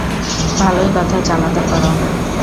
ভালোই কথা চালাতে পারো।